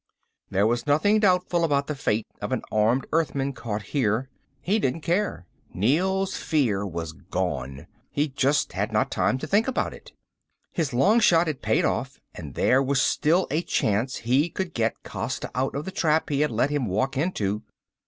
There was nothing doubtful about the fate of an armed Earthman caught here. He didn't care. Neel's fear wasn't gone he just had not time to think about it. His long shot had paid off and there was still a chance he could get Costa out of the trap he had let him walk into.